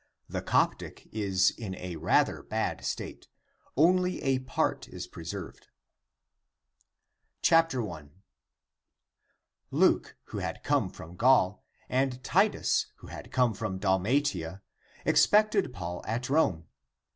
The Coptic (Schmidt, Acta, p. 83 90) is in rather a bad state, only a part is preserved. I. Luke who had come from Gaul, and Titus who had come from Dalmatia, expected Paul at Rome.